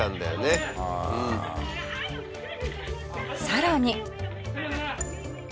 更に。